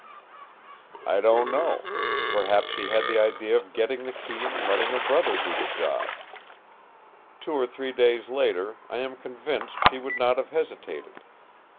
"I don't know. Perhaps she had the idea of getting the key and letting her brother do the job. Two or three days later I am convinced she would not have hesitated.